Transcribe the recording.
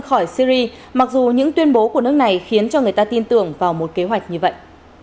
khỏi syri mặc dù những tuyên bố của nước này khiến cho người ta tin tưởng vào một kế hoạch như vậy